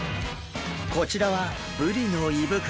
こちらはブリの胃袋！